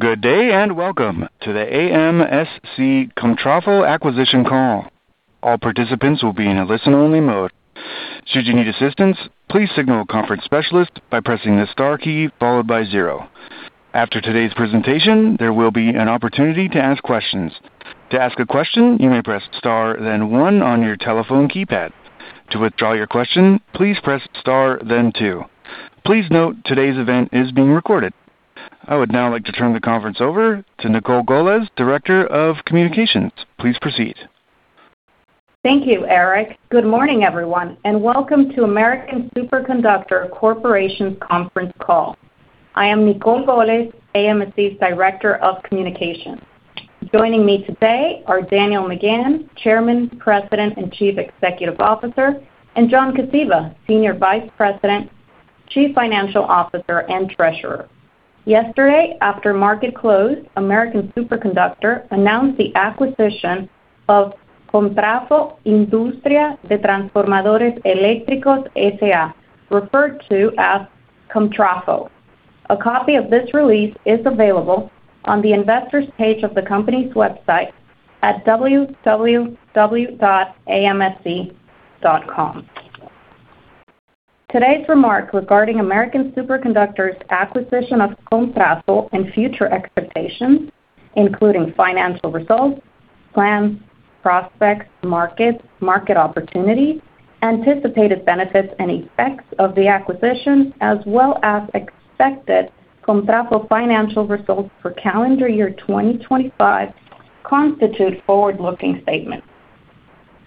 Good day and welcome to the AMSC Comtrafo acquisition call. All participants will be in a listen-only mode. Should you need assistance, please signal a conference specialist by pressing the star key followed by zero. After today's presentation, there will be an opportunity to ask questions. To ask a question, you may press star, then one on your telephone keypad. To withdraw your question, please press star, then two. Please note today's event is being recorded. I would now like to turn the conference over to Nicol Golez, Director of Communications. Please proceed. Thank you, Eric. Good morning, everyone, and welcome to American Superconductor Corporation's conference call. I am Nicol Golez, AMSC's Director of Communications. Joining me today are Daniel McGahn, Chairman, President, and Chief Executive Officer, and John Kosiba, Senior Vice President, Chief Financial Officer, and Treasurer. Yesterday, after market close, American Superconductor announced the acquisition of Comtrafo Indústria de Transformadores Elétricos S.A., referred to as Comtrafo. A copy of this release is available on the investor's page of the company's website at www.amsc.com. Today's remark regarding American Superconductor's acquisition of Comtrafo and future expectations, including financial results, plans, prospects, market opportunity, anticipated benefits and effects of the acquisition, as well as expected Comtrafo financial results for calendar year 2025, constitute forward-looking statements.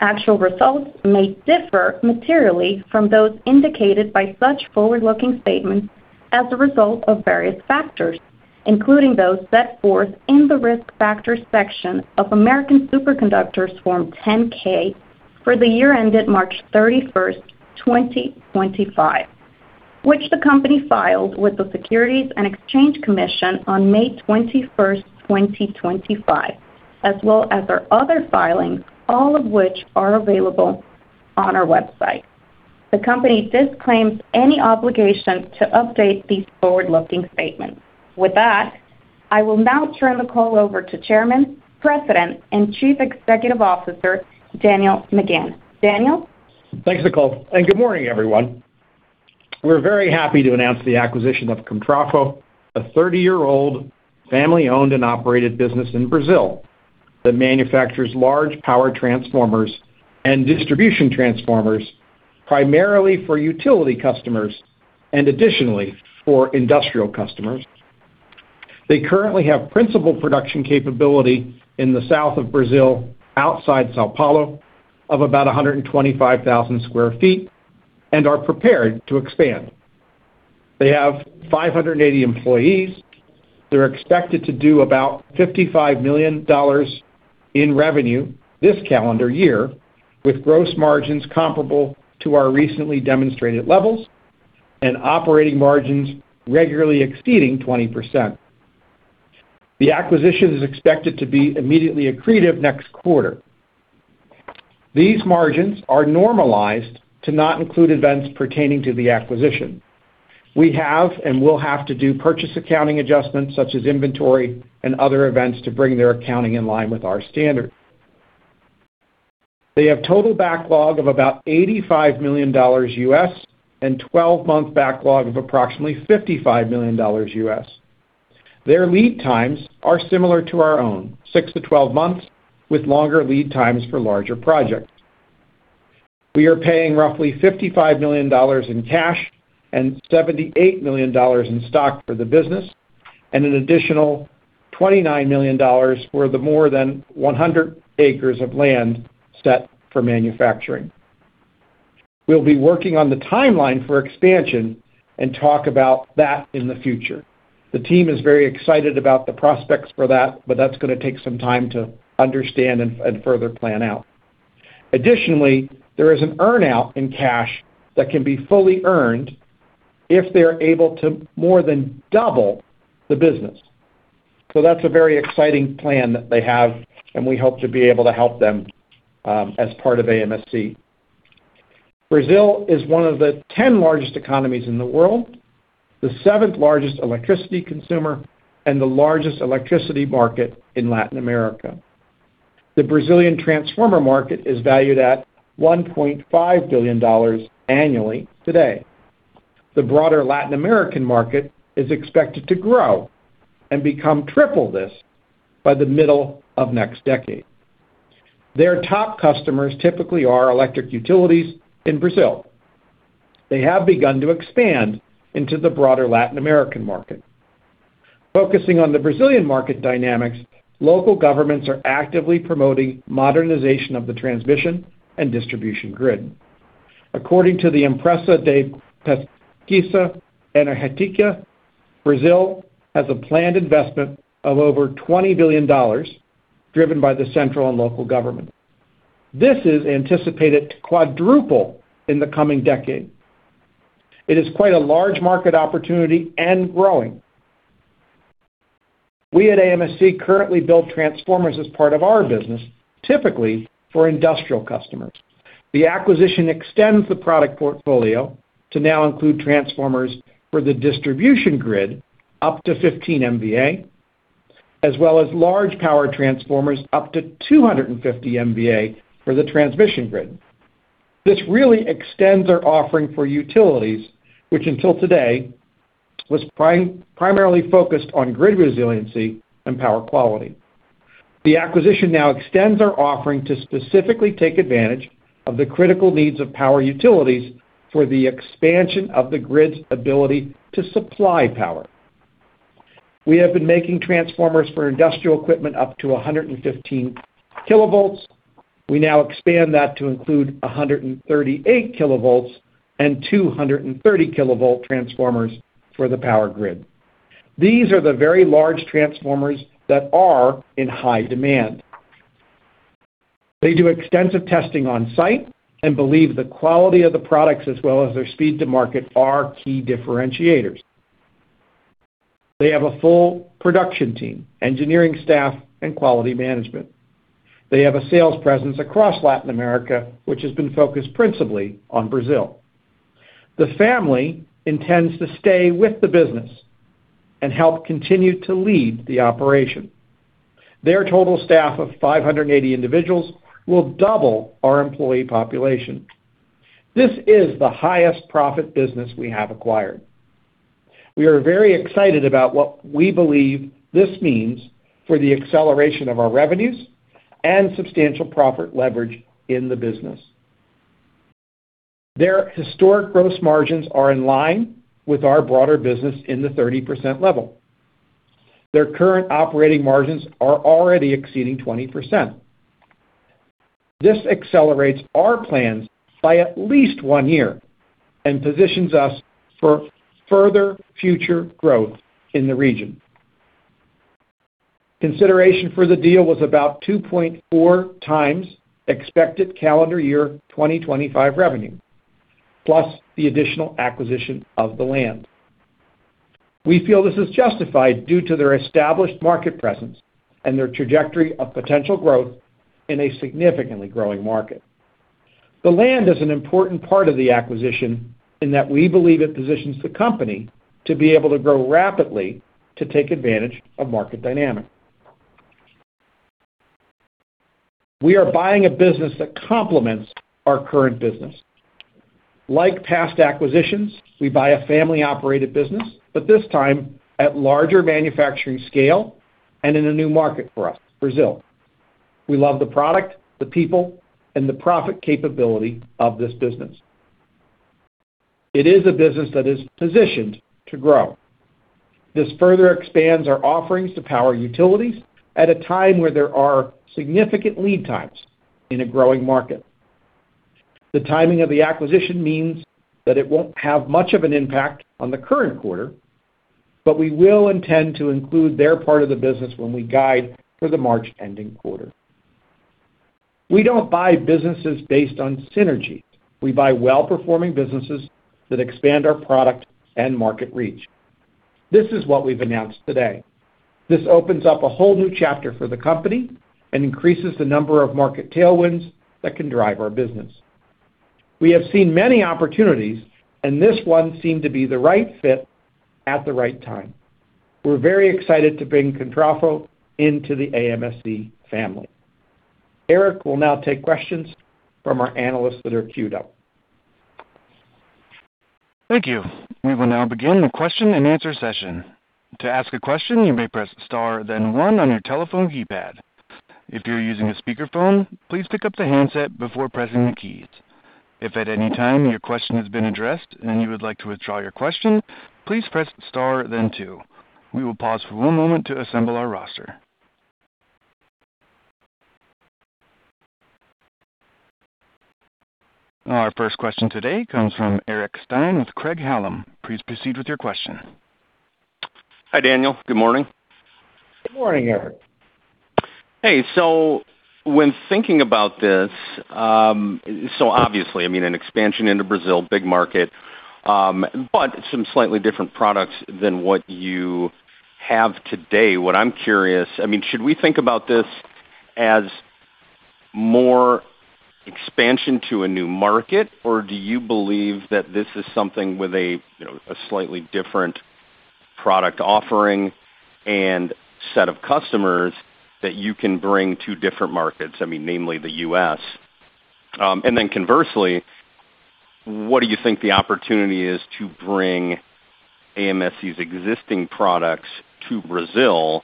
Actual results may differ materially from those indicated by such forward-looking statements as a result of various factors, including those set forth in the risk factors section of American Superconductor's Form 10-K for the year ended March 31st, 2025, which the company filed with the Securities and Exchange Commission on May 21st, 2025, as well as our other filings, all of which are available on our website. The company disclaims any obligation to update these forward-looking statements. With that, I will now turn the call over to Chairman, President, and Chief Executive Officer, Daniel McGahn. Daniel? Thanks, Nicol. And good morning, everyone. We're very happy to announce the acquisition of Comtrafo, a 30-year-old family-owned and operated business in Brazil that manufactures large power transformers and distribution transformers primarily for utility customers and additionally for industrial customers. They currently have principal production capability in the south of Brazil, outside São Paulo, of about 125,000 sq ft and are prepared to expand. They have 580 employees. They're expected to do about $55 million in revenue this calendar year, with gross margins comparable to our recently demonstrated levels and operating margins regularly exceeding 20%. The acquisition is expected to be immediately accretive next quarter. These margins are normalized to not include events pertaining to the acquisition. We have and will have to do purchase accounting adjustments such as inventory and other events to bring their accounting in line with our standard. They have total backlog of about $85 million and 12-month backlog of approximately $55 million. Their lead times are similar to our own, 6-12 months, with longer lead times for larger projects. We are paying roughly $55 million in cash and $78 million in stock for the business and an additional $29 million for the more than 100 acres of land set for manufacturing. We'll be working on the timeline for expansion and talk about that in the future. The team is very excited about the prospects for that, but that's going to take some time to understand and further plan out. Additionally, there is an earnout in cash that can be fully earned if they're able to more than double the business. So that's a very exciting plan that they have, and we hope to be able to help them as part of AMSC. Brazil is one of the 10 largest economies in the world, the seventh largest electricity consumer, and the largest electricity market in Latin America. The Brazilian transformer market is valued at $1.5 billion annually today. The broader Latin American market is expected to grow and become triple this by the middle of next decade. Their top customers typically are electric utilities in Brazil. They have begun to expand into the broader Latin American market. Focusing on the Brazilian market dynamics, local governments are actively promoting modernization of the transmission and distribution grid. According to the Empresa de Pesquisa Energética, Brazil has a planned investment of over $20 billion driven by the central and local government. This is anticipated to quadruple in the coming decade. It is quite a large market opportunity and growing. We at AMSC currently build transformers as part of our business, typically for industrial customers. The acquisition extends the product portfolio to now include transformers for the distribution grid up to 15 MVA, as well as large power transformers up to 250 MVA for the transmission grid. This really extends our offering for utilities, which until today was primarily focused on grid resiliency and power quality. The acquisition now extends our offering to specifically take advantage of the critical needs of power utilities for the expansion of the grid's ability to supply power. We have been making transformers for industrial equipment up to 115 kilovolts. We now expand that to include 138 kilovolts and 230 kilovolt transformers for the power grid. These are the very large transformers that are in high demand. They do extensive testing on site and believe the quality of the products as well as their speed to market are key differentiators. They have a full production team, engineering staff, and quality management. They have a sales presence across Latin America, which has been focused principally on Brazil. The family intends to stay with the business and help continue to lead the operation. Their total staff of 580 individuals will double our employee population. This is the highest profit business we have acquired. We are very excited about what we believe this means for the acceleration of our revenues and substantial profit leverage in the business. Their historic gross margins are in line with our broader business in the 30% level. Their current operating margins are already exceeding 20%. This accelerates our plans by at least one year and positions us for further future growth in the region. Consideration for the deal was about 2.4 times expected calendar year 2025 revenue, plus the additional acquisition of the land. We feel this is justified due to their established market presence and their trajectory of potential growth in a significantly growing market. The land is an important part of the acquisition in that we believe it positions the company to be able to grow rapidly to take advantage of market dynamics. We are buying a business that complements our current business. Like past acquisitions, we buy a family-operated business, but this time at larger manufacturing scale and in a new market for us, Brazil. We love the product, the people, and the profit capability of this business. It is a business that is positioned to grow. This further expands our offerings to power utilities at a time where there are significant lead times in a growing market. The timing of the acquisition means that it won't have much of an impact on the current quarter, but we will intend to include their part of the business when we guide for the March ending quarter. We don't buy businesses based on synergy. We buy well-performing businesses that expand our product and market reach. This is what we've announced today. This opens up a whole new chapter for the company and increases the number of market tailwinds that can drive our business. We have seen many opportunities, and this one seemed to be the right fit at the right time. We're very excited to bring Comtrafo into the AMSC family. Eric will now take questions from our analysts that are queued up. Thank you. We will now begin the question and answer session. To ask a question, you may press star, then one on your telephone keypad. If you're using a speakerphone, please pick up the handset before pressing the keys. If at any time your question has been addressed and you would like to withdraw your question, please press star, then two. We will pause for one moment to assemble our roster. Our first question today comes from Eric Stine with Craig-Hallum. Please proceed with your question. Hi, Daniel. Good morning. Good morning, Eric. Hey, so when thinking about this, so obviously, I mean, an expansion into Brazil, big market, but some slightly different products than what you have today. What I'm curious, I mean, should we think about this as more expansion to a new market, or do you believe that this is something with a slightly different product offering and set of customers that you can bring to different markets, I mean, namely the U.S.? And then conversely, what do you think the opportunity is to bring AMSC's existing products to Brazil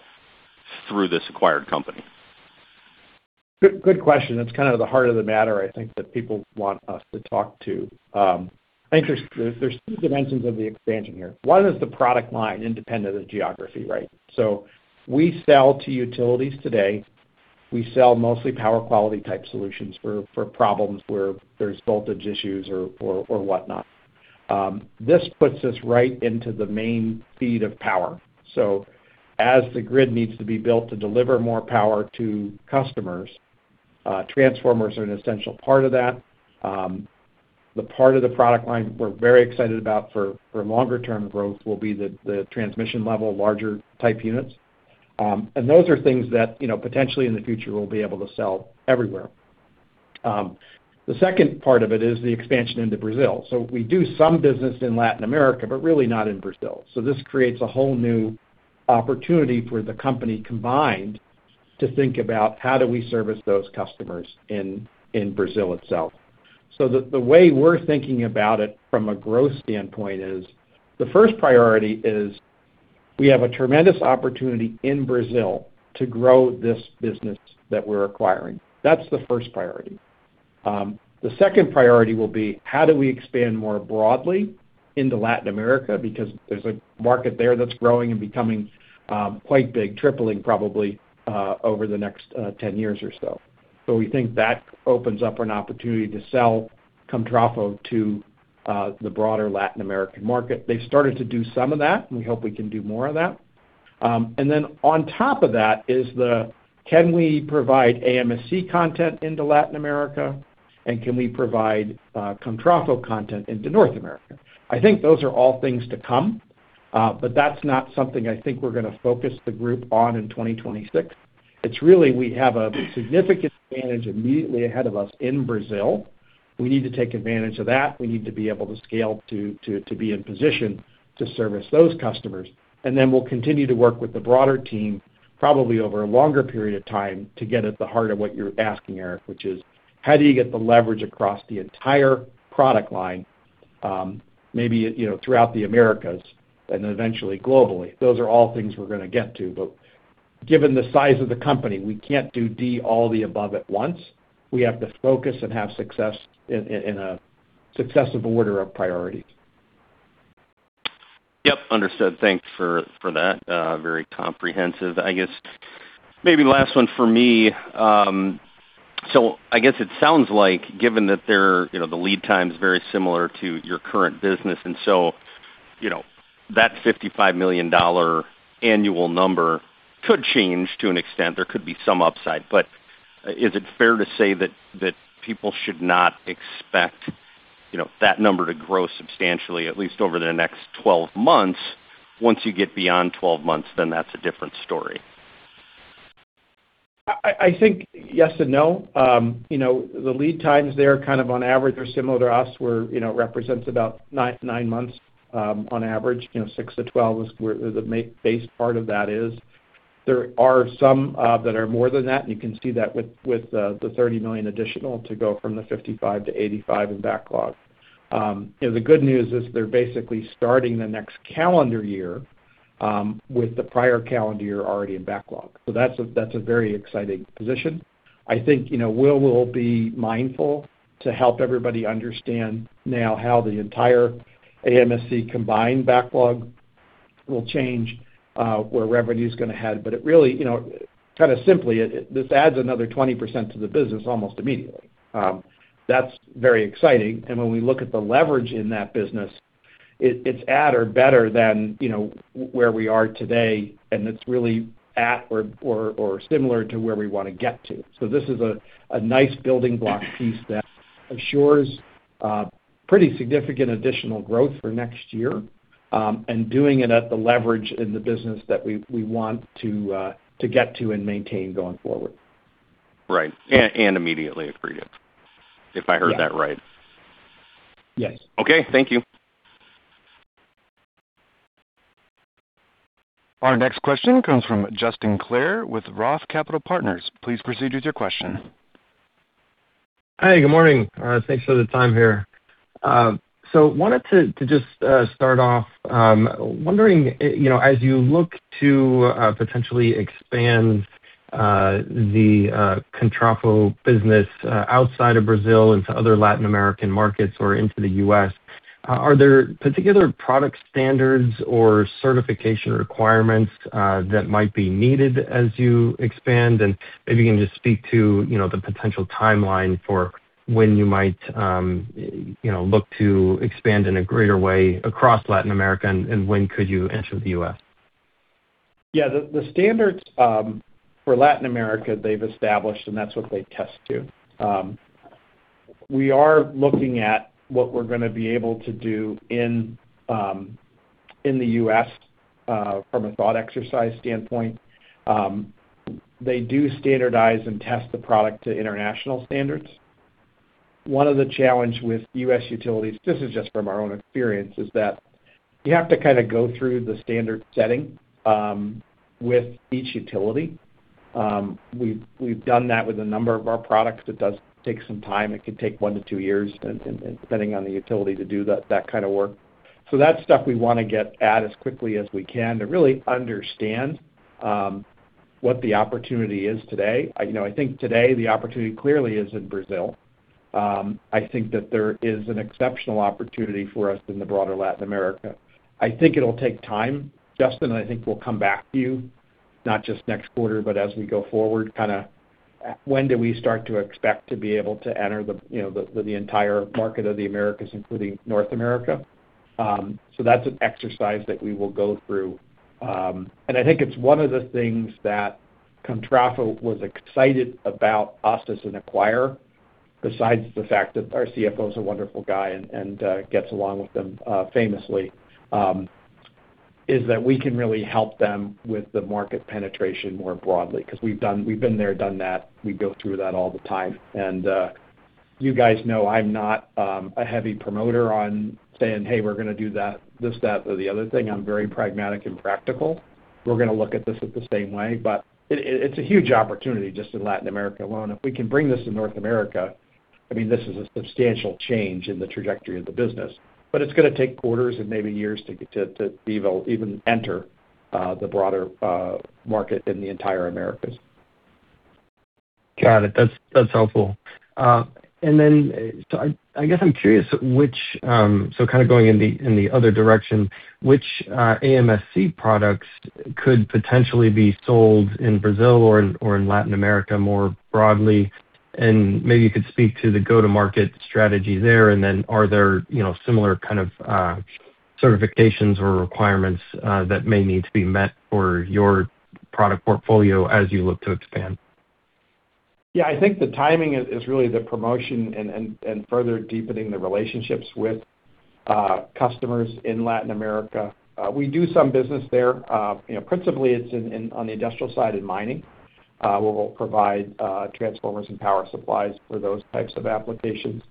through this acquired company? Good question. It's kind of the heart of the matter, I think, that people want us to talk to. I think there's two dimensions of the expansion here. One is the product line independent of geography, right, so we sell to utilities today. We sell mostly power quality type solutions for problems where there's voltage issues or whatnot. This puts us right into the main feed of power, so as the grid needs to be built to deliver more power to customers, transformers are an essential part of that. The part of the product line we're very excited about for longer-term growth will be the transmission level, larger type units, and those are things that potentially in the future we'll be able to sell everywhere. The second part of it is the expansion into Brazil, so we do some business in Latin America, but really not in Brazil. So this creates a whole new opportunity for the company combined to think about how do we service those customers in Brazil itself. So the way we're thinking about it from a growth standpoint is the first priority is we have a tremendous opportunity in Brazil to grow this business that we're acquiring. That's the first priority. The second priority will be how do we expand more broadly into Latin America because there's a market there that's growing and becoming quite big, tripling probably over the next 10 years or so. So we think that opens up an opportunity to sell Comtrafo to the broader Latin American market. They've started to do some of that, and we hope we can do more of that. And then on top of that is, can we provide AMSC content into Latin America, and can we provide Comtrafo content into North America? I think those are all things to come, but that's not something I think we're going to focus the group on in 2026. It's really we have a significant advantage immediately ahead of us in Brazil. We need to take advantage of that. We need to be able to scale to be in position to service those customers. And then we'll continue to work with the broader team probably over a longer period of time to get at the heart of what you're asking, Eric, which is how do you get the leverage across the entire product line, maybe throughout the Americas and eventually globally? Those are all things we're going to get to. But given the size of the company, we can't do all the above at once. We have to focus and have success in a successive order of priorities. Yep. Understood. Thanks for that. Very comprehensive. I guess maybe last one for me. So I guess it sounds like given that the lead time is very similar to your current business, and so that $55 million annual number could change to an extent. There could be some upside, but is it fair to say that people should not expect that number to grow substantially, at least over the next 12 months? Once you get beyond 12 months, then that's a different story. I think yes and no. The lead times there kind of on average are similar to us, where it represents about nine months on average. Six to 12 is where the base part of that is. There are some that are more than that, and you can see that with the $30 million additional to go from the $55 million-$85 million in backlog. The good news is they're basically starting the next calendar year with the prior calendar year already in backlog. So that's a very exciting position. I think we'll be mindful to help everybody understand now how the entire AMSC combined backlog will change, where revenue is going to head. But really, kind of simply, this adds another 20% to the business almost immediately. That's very exciting. And when we look at the leverage in that business, it's at or better than where we are today, and it's really at or similar to where we want to get to. So this is a nice building block piece that assures pretty significant additional growth for next year and doing it at the leverage in the business that we want to get to and maintain going forward. Right. And immediately accretive, if I heard that right. Yes. Okay. Thank you. Our next question comes from Justin Clare with Roth Capital Partners. Please proceed with your question. Hi. Good morning. Thanks for the time here. So wanted to just start off wondering, as you look to potentially expand the Comtrafo business outside of Brazil into other Latin American markets or into the U.S., are there particular product standards or certification requirements that might be needed as you expand, and maybe you can just speak to the potential timeline for when you might look to expand in a greater way across Latin America, and when could you enter the U.S.? Yeah. The standards for Latin America, they've established, and that's what they test to. We are looking at what we're going to be able to do in the U.S. from a thought exercise standpoint. They do standardize and test the product to international standards. One of the challenges with U.S. utilities, this is just from our own experience, is that you have to kind of go through the standard setting with each utility. We've done that with a number of our products. It does take some time. It could take one to two years, depending on the utility, to do that kind of work. So that's stuff we want to get at as quickly as we can to really understand what the opportunity is today. I think today the opportunity clearly is in Brazil. I think that there is an exceptional opportunity for us in the broader Latin America. I think it'll take time. Justin, I think we'll come back to you, not just next quarter, but as we go forward, kind of when do we start to expect to be able to enter the entire market of the Americas, including North America? So that's an exercise that we will go through, and I think it's one of the things that Comtrafo was excited about us as an acquirer, besides the fact that our CFO is a wonderful guy and gets along with them famously, is that we can really help them with the market penetration more broadly because we've been there, done that. We go through that all the time, and you guys know I'm not a heavy promoter on saying, "Hey, we're going to do this, that, or the other thing." I'm very pragmatic and practical. We're going to look at this the same way. But it's a huge opportunity just in Latin America alone. If we can bring this to North America, I mean, this is a substantial change in the trajectory of the business. But it's going to take quarters and maybe years to even enter the broader market in the entire Americas. Got it. That's helpful. And then I guess I'm curious, so kind of going in the other direction, which AMSC products could potentially be sold in Brazil or in Latin America more broadly? And maybe you could speak to the go-to-market strategy there. And then are there similar kind of certifications or requirements that may need to be met for your product portfolio as you look to expand? Yeah. I think the timing is really the promotion and further deepening the relationships with customers in Latin America. We do some business there. Principally, it's on the industrial side in mining, where we'll provide transformers and power supplies for those types of applications.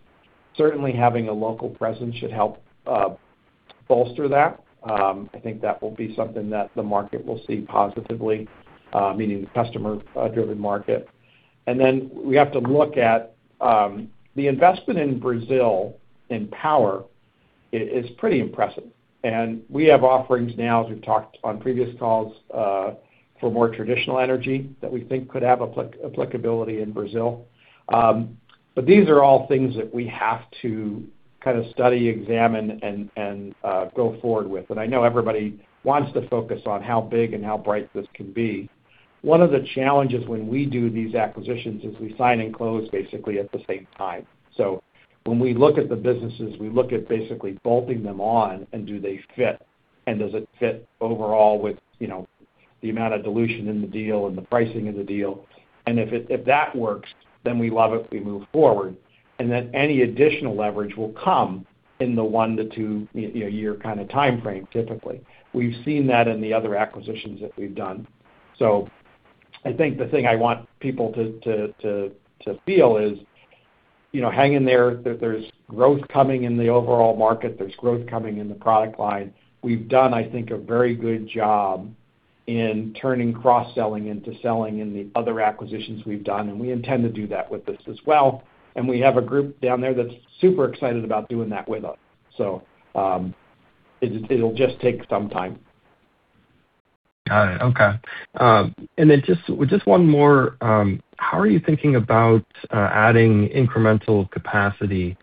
Certainly, having a local presence should help bolster that. I think that will be something that the market will see positively, meaning the customer-driven market. And then we have to look at the investment in Brazil in power is pretty impressive. And we have offerings now, as we've talked on previous calls, for more traditional energy that we think could have applicability in Brazil. But these are all things that we have to kind of study, examine, and go forward with. And I know everybody wants to focus on how big and how bright this can be. One of the challenges when we do these acquisitions is we sign and close basically at the same time, so when we look at the businesses, we look at basically bolting them on and do they fit, and does it fit overall with the amount of dilution in the deal and the pricing of the deal? And if that works, then we love it, we move forward, and then any additional leverage will come in the one- to two-year kind of timeframe, typically. We've seen that in the other acquisitions that we've done, so I think the thing I want people to feel is hang in there. There's growth coming in the overall market. There's growth coming in the product line. We've done, I think, a very good job in turning cross-selling into selling in the other acquisitions we've done, and we intend to do that with this as well. And we have a group down there that's super excited about doing that with us. So it'll just take some time. Got it. Okay. And then just one more. How are you thinking about adding incremental capacity,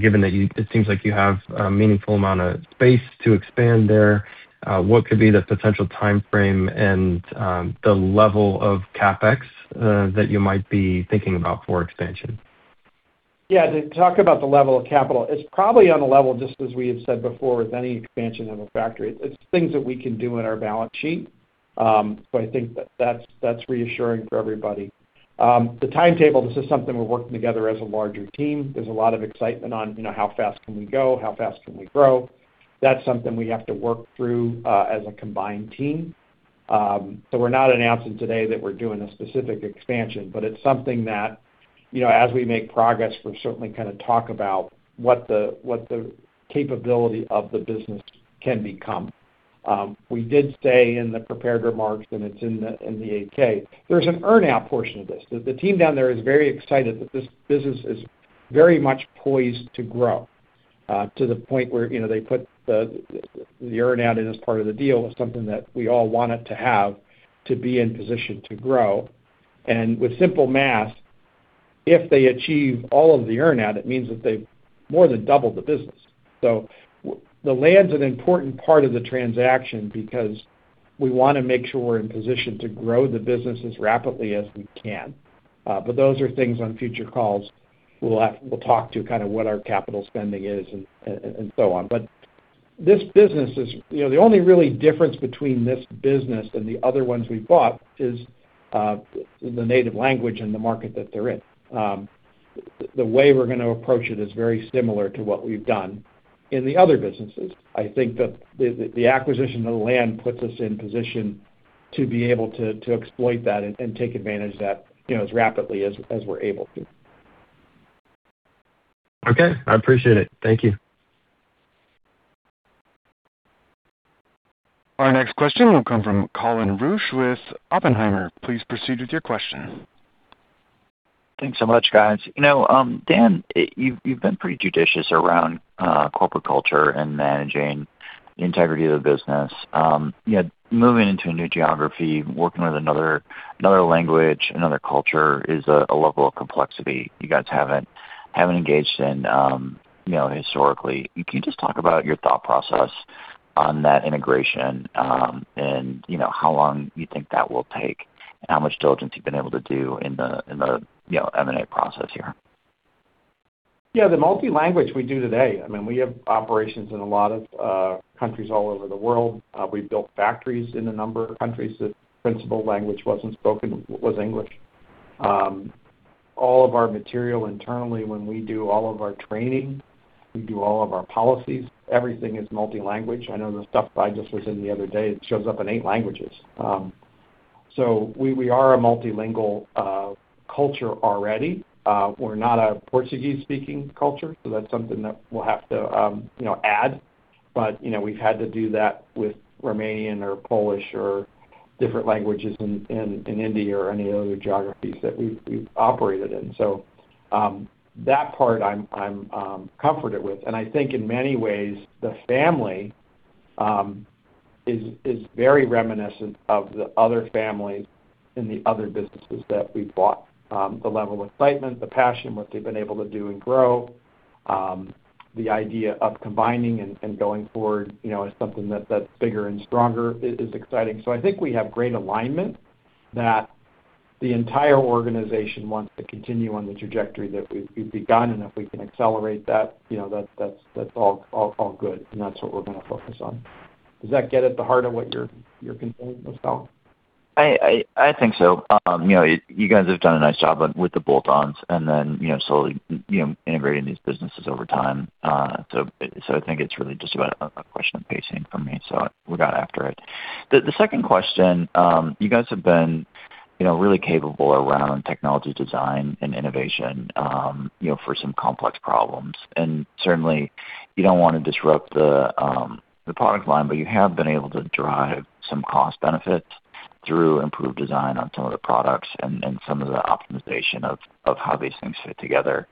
given that it seems like you have a meaningful amount of space to expand there? What could be the potential timeframe and the level of CapEx that you might be thinking about for expansion? Yeah. To talk about the level of capital, it's probably on a level, just as we have said before, with any expansion of a factory. It's things that we can do in our balance sheet. So I think that that's reassuring for everybody. The timetable, this is something we're working together as a larger team. There's a lot of excitement on how fast can we go, how fast can we grow. That's something we have to work through as a combined team. So we're not announcing today that we're doing a specific expansion, but it's something that as we make progress, we're certainly kind of talk about what the capability of the business can become. We did say in the prepared remarks, and it's in the 8-K, there's an earn-out portion of this. The team down there is very excited that this business is very much poised to grow to the point where they put the earn-out in as part of the deal as something that we all wanted to have to be in position to grow. And with simple math, if they achieve all of the earn-out, it means that they've more than doubled the business. So the land's an important part of the transaction because we want to make sure we're in position to grow the business as rapidly as we can. But those are things on future calls. We'll talk to kind of what our capital spending is and so on. But this business is the only real difference between this business and the other ones we've bought is the native language and the market that they're in. The way we're going to approach it is very similar to what we've done in the other businesses. I think that the acquisition of the land puts us in position to be able to exploit that and take advantage of that as rapidly as we're able to. Okay. I appreciate it. Thank you. Our next question will come from Colin Rusch with Oppenheimer. Please proceed with your question. Thanks so much, guys. Dan, you've been pretty judicious around corporate culture and managing the integrity of the business. Moving into a new geography, working with another language, another culture is a level of complexity you guys haven't engaged in historically. Can you just talk about your thought process on that integration and how long you think that will take and how much diligence you've been able to do in the M&A process here? Yeah. The multi-language we do today, I mean, we have operations in a lot of countries all over the world. We've built factories in a number of countries. The principal language wasn't spoken was English. All of our material internally, when we do all of our training, we do all of our policies, everything is multi-language. I know the stuff I just was in the other day, it shows up in eight languages. So we are a multilingual culture already. We're not a Portuguese-speaking culture, so that's something that we'll have to add. But we've had to do that with Romanian or Polish or different languages in India or any other geographies that we've operated in. So that part, I'm comforted with. And I think in many ways, the family is very reminiscent of the other families in the other businesses that we've bought. The level of excitement, the passion, what they've been able to do and grow, the idea of combining and going forward is something that's bigger and stronger is exciting. So I think we have great alignment that the entire organization wants to continue on the trajectory that we've begun. And if we can accelerate that, that's all good. And that's what we're going to focus on. Does that get at the heart of what you're concerned about? I think so. You guys have done a nice job with the bolt-ons and then slowly integrating these businesses over time, so I think it's really just about a question of pacing for me, so we're going after it. The second question, you guys have been really capable around technology design and innovation for some complex problems, and certainly, you don't want to disrupt the product line, but you have been able to drive some cost benefits through improved design on some of the products and some of the optimization of how these things fit together.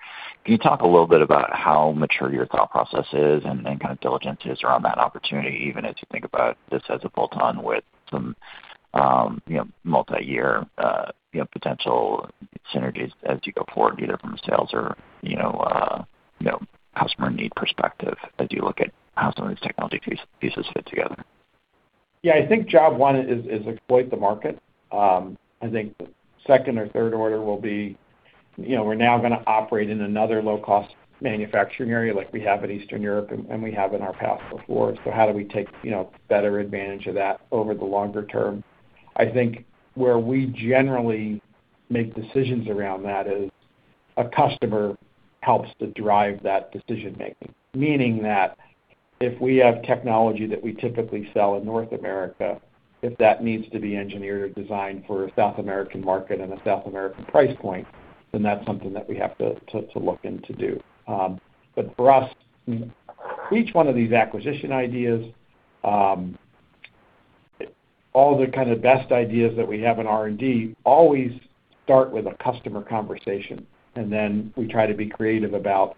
Can you talk a little bit about how mature your thought process is and kind of diligence is around that opportunity, even as you think about this as a bolt-on with some multi-year potential synergies as you go forward, either from a sales or customer need perspective, as you look at how some of these technology pieces fit together? Yeah. I think job one is exploit the market. I think second or third order will be we're now going to operate in another low-cost manufacturing area like we have in Eastern Europe and we have in our past before. So how do we take better advantage of that over the longer term? I think where we generally make decisions around that is a customer helps to drive that decision-making. Meaning that if we have technology that we typically sell in North America, if that needs to be engineered or designed for a South American market and a South American price point, then that's something that we have to look into do. But for us, each one of these acquisition ideas, all the kind of best ideas that we have in R&D always start with a customer conversation. And then we try to be creative about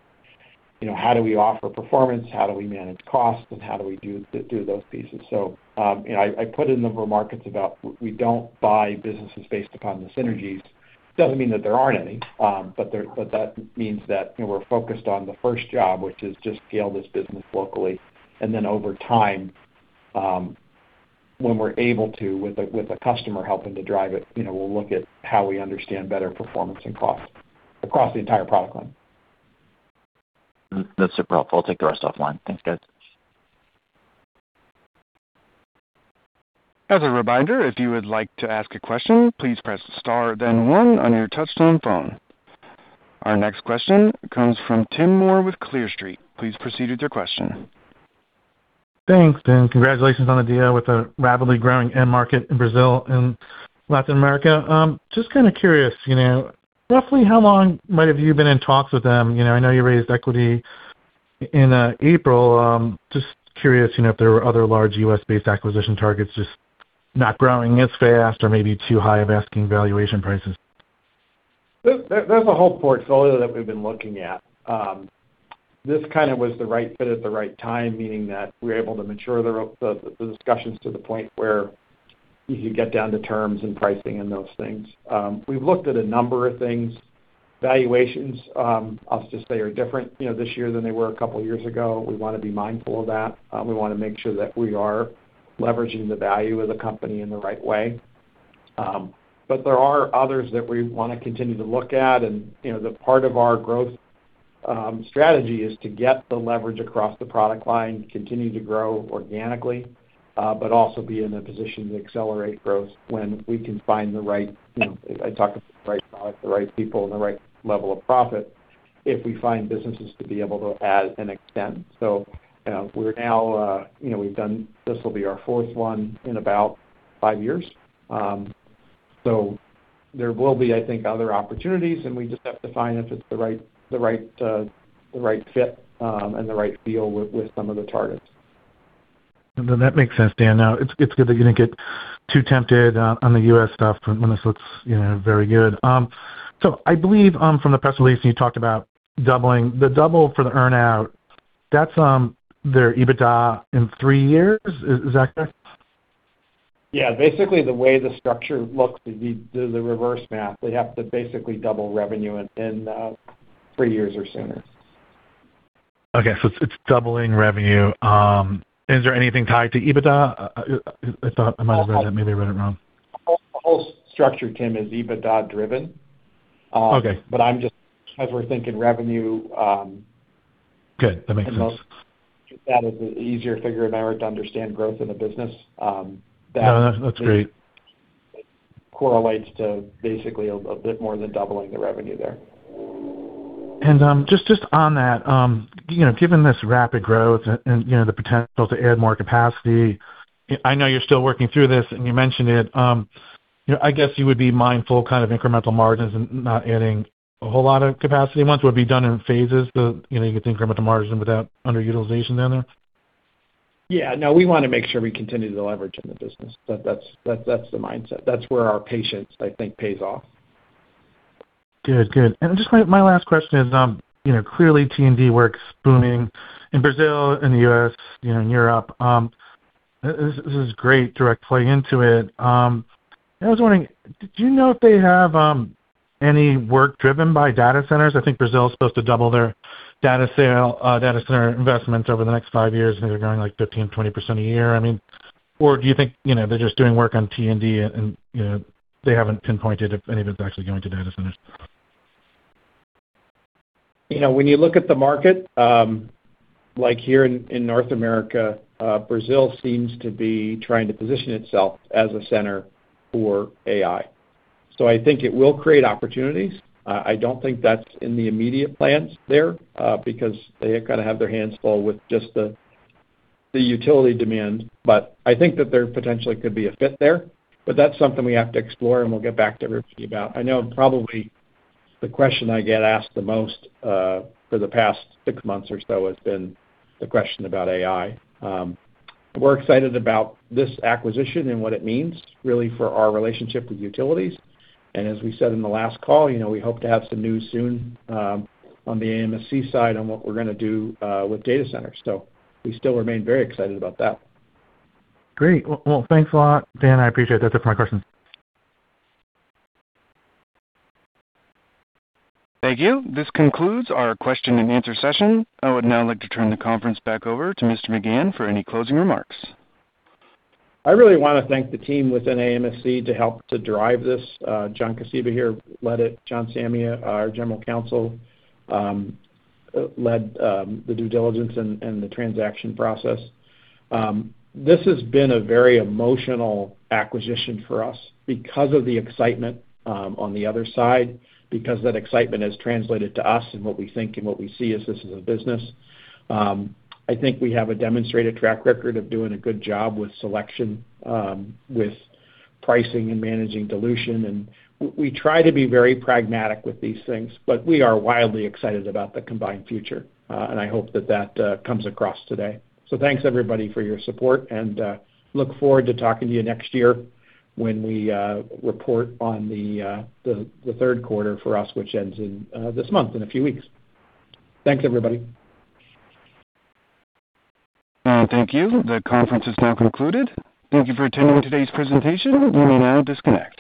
how do we offer performance, how do we manage costs, and how do we do those pieces. So I put in the remarks about we don't buy businesses based upon the synergies. It doesn't mean that there aren't any, but that means that we're focused on the first job, which is just scale this business locally. And then over time, when we're able to, with a customer helping to drive it, we'll look at how we understand better performance and cost across the entire product line. That's super helpful. I'll take the rest offline. Thanks, guys. As a reminder, if you would like to ask a question, please press star then one on your touchscreen phone. Our next question comes from Tim Moore with Clear Street. Please proceed with your question. Thanks, Dan. Congratulations on the deal with the rapidly growing end market in Brazil and Latin America. Just kind of curious, roughly how long might have you been in talks with them? I know you raised equity in April. Just curious if there were other large U.S.-based acquisition targets just not growing as fast or maybe too high of asking valuation prices? There's a whole portfolio that we've been looking at. This kind of was the right fit at the right time, meaning that we're able to mature the discussions to the point where you could get down to terms and pricing and those things. We've looked at a number of things. Valuations, I'll just say, are different this year than they were a couple of years ago. We want to be mindful of that. We want to make sure that we are leveraging the value of the company in the right way. But there are others that we want to continue to look at. Part of our growth strategy is to get the leverage across the product line, continue to grow organically, but also be in a position to accelerate growth when we can find the right. I talk about the right product, the right people, and the right level of profit if we find businesses to be able to add and extend. Now we've done this. This will be our fourth one in about five years. There will be, I think, other opportunities, and we just have to find if it's the right fit and the right feel with some of the targets. That makes sense, Dan. It's good that you didn't get too tempted on the U.S. stuff. For the most part, it's very good. So I believe from the press release, you talked about doubling. The double for the earn-out, that's their EBITDA in three years. Is that correct? Yeah. Basically, the way the structure looks, they do the reverse math. They have to basically double revenue in three years or sooner. Okay. So it's doubling revenue. Is there anything tied to EBITDA? I might have read that. Maybe I read it wrong. The whole structure, Tim, is EBITDA-driven. But I'm just because we're thinking revenue. Good. That makes sense. That is an easier figure in order to understand growth in the business. No, that's great. Correlates to basically a bit more than doubling the revenue there. And just on that, given this rapid growth and the potential to add more capacity, I know you're still working through this, and you mentioned it. I guess you would be mindful of kind of incremental margins and not adding a whole lot of capacity. Once it would be done in phases, you get the incremental margin without underutilization down there. Yeah. No, we want to make sure we continue to leverage in the business. That's the mindset. That's where our patience, I think, pays off. Good. Good. And just my last question is, clearly, T&D works booming in Brazil, in the U.S., in Europe. This is a great direct play into it. I was wondering, do you know if they have any work driven by data centers? I think Brazil is supposed to double their data center investments over the next five years, and they're growing like 15%-20% a year. I mean, or do you think they're just doing work on T&D, and they haven't pinpointed if any of it's actually going to data centers? When you look at the market, like here in North America, Brazil seems to be trying to position itself as a center for AI. So I think it will create opportunities. I don't think that's in the immediate plans there because they kind of have their hands full with just the utility demand. But I think that there potentially could be a fit there. But that's something we have to explore, and we'll get back to everybody about. I know probably the question I get asked the most for the past six months or so has been the question about AI. We're excited about this acquisition and what it means really for our relationship with utilities, and as we said in the last call, we hope to have some news soon on the AMSC side on what we're going to do with data centers. We still remain very excited about that. Great. Well, thanks a lot, Dan. I appreciate that. That's it for my questions. Thank you. This concludes our question-and-answer session. I would now like to turn the conference back over to Mr. McGahn for any closing remarks. I really want to thank the team within AMSC to help to drive this. John Kosiba here, led it. John Samia, our General Counsel, led the due diligence and the transaction process. This has been a very emotional acquisition for us because of the excitement on the other side, because that excitement has translated to us and what we think and what we see as this is a business. I think we have a demonstrated track record of doing a good job with selection, with pricing and managing dilution, and we try to be very pragmatic with these things, but we are wildly excited about the combined future. I hope that that comes across today, so thanks, everybody, for your support, and look forward to talking to you next year when we report on the third quarter for us, which ends in this month in a few weeks. Thanks, everybody. Thank you. The conference is now concluded. Thank you for attending today's presentation. You may now disconnect.